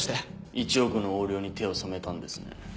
１億の横領に手を染めたんですね。